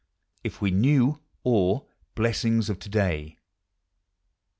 IF WE KNEW; OK, BLESSINGS OP TO DAY.